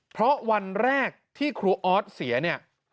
เพราะวันแรกที่ครูออสเสียเนี่ย